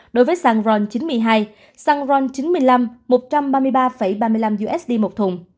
đối với xăng ron chín mươi hai xăng ron chín mươi năm một trăm ba mươi ba ba mươi năm usd một thùng